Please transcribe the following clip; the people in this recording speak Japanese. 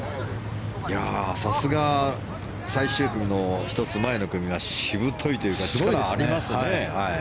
さすが最終組の１つ前の組はしぶといというか力ありますね。